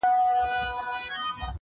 د سلماني ریشتیا -